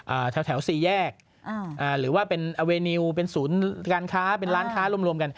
แถวแถวสี่แยกอ่าอ่าหรือว่าเป็นอเวนิวเป็นศูนย์การค้าเป็นร้านค้ารวมรวมกัน